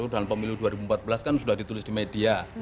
dan pemilu dua ribu empat belas kan sudah ditulis di media